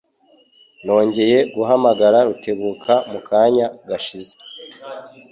Nongeye guhamagara Rutebuka mu kanya gashyize.